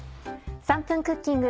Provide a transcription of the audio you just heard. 『３分クッキング』